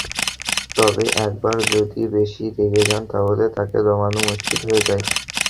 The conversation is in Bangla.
তবে একবার যদি বেশি রেগে যান তাহলে তাঁকে থামানো মুশকিল হয়ে যায়।